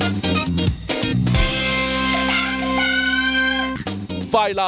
ข้อรับชมช้าสักครู่เดี๋ยวครับ